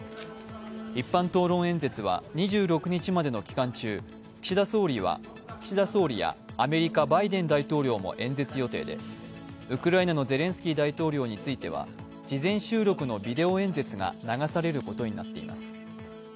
一般討論演説は２６日までの期間中、岸田総理やアメリカ・バイデン大統領も演説予定でウクライナのゼレンスキー大統領については事前収録のビデオ演説が流されることになっています。